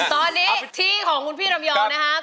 ตอนนี้ที่ของคุณพี่ลำยองนะครับ